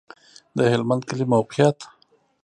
د هلمند کلی موقعیت